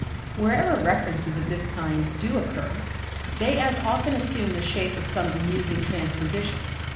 Wherever references of this kind do occur, they as often assume the shape of some amusing transposition.